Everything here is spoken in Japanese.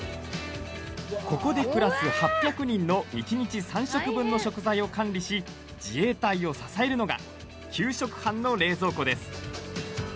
ここで暮らす８００人の１日３食分の食材を管理し自衛隊を支えるのが給食班の冷蔵庫です。